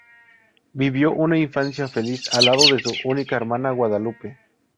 Vivió una infancia feliz al lado de su única hermana Guadalupe.